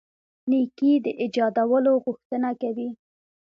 نېکۍ د ایجادولو غوښتنه کوي.